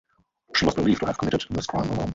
She was believed to have committed this crime alone.